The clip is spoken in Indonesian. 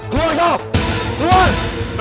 keluar kau keluar